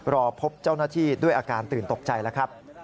รอพบเจ้าหน้าที่ด้วยอาการตื่นตกใจแล้วครับ